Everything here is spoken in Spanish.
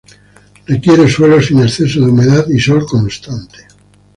Requiere suelos sin exceso de humedad y sol constante.